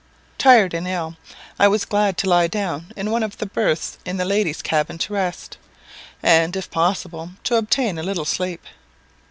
Tired and ill, I was glad to lie down in one of the berths in the ladies' cabin to rest, and, if possible, to obtain a little sleep.